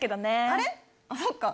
あっそっか。